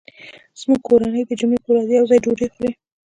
زموږ کورنۍ د جمعې په ورځ یو ځای ډوډۍ خوري